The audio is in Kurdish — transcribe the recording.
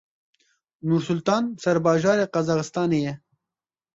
Nursultan serbajarê Qazaxistanê ye.